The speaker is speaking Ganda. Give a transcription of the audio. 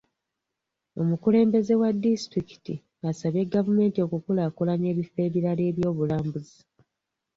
Omukulembeze wa distulikiti asabye gavumenti okukulaakulanya ebifo ebirala eby'obulambuzi.